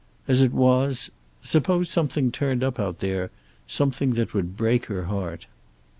As it was Suppose something turned up out there, something that would break her heart?